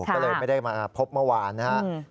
ก็เลยไม่ได้มาพบเมื่อวานนะครับ